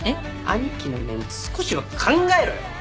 兄貴のメンツ少しは考えろよ！